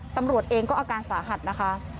ตำรวจเองก็อาการสาหัสนะคะ